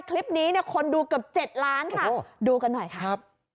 คลิปนี้คนดูเกือบ๗ล้านค่ะดูกันหน่อยค่ะ